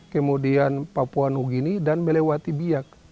kemudian papua nugini dan melewati biak